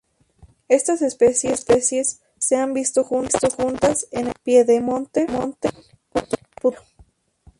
Estas especies se han visto juntas en el piedemonte del putumayo.